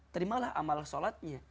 terimalah amal sholatnya